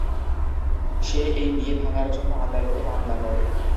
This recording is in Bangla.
সে এই বিয়ে ভাঙার জন্য আদালতে মামলা করে।